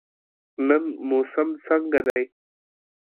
نن موسم څنګه دی؟